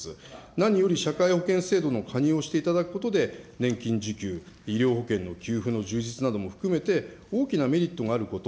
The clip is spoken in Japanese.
何より社会保険制度の加入をしていただくことで、年金受給、医療保険の給付の充実なども含めて大きなメリットがあること、